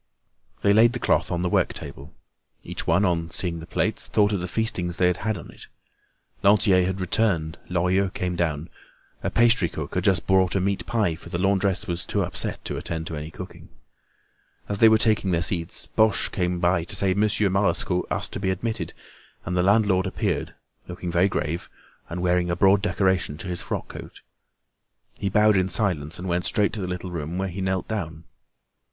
They laid the cloth on the work table. Each one, on seeing the plates, thought of the feastings they had had on it. Lantier had returned. Lorilleux came down. A pastry cook had just brought a meat pie, for the laundress was too upset to attend to any cooking. As they were taking their seats, Boche came to say that Monsieur Marescot asked to be admitted, and the landlord appeared, looking very grave, and wearing a broad decoration on his frock coat. He bowed in silence and went straight to the little room, where he knelt down.